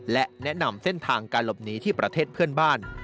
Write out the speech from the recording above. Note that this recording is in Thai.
และแนะนำเส้นทางการหลบหนีที่ประเทศเพื่อนบ้าน